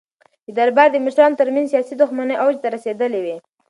د دربار د مشرانو ترمنځ سیاسي دښمنۍ اوج ته رسېدلې وې.